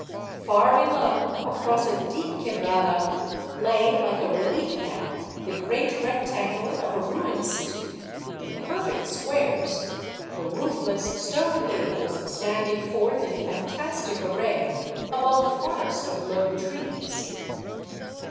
Far below, across a deep quebrada, lay, like a relief map, the great rectangle of a ruined city, in perfect squares, the roofless stone gables standing forth in fantastic array above a forest of low trees.